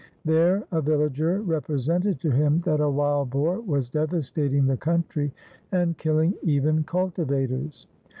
There a villager represented to him that a wild boar was devastating the country and killing even cultivators.